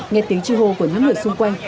nghe tiếng chi hô của những người xung quanh